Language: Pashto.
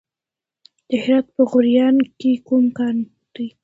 د هرات په غوریان کې کوم کان دی؟